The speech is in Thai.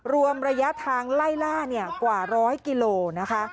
รวมระยะทางไล่ล่ากว่าร้อยกิโลนะคะ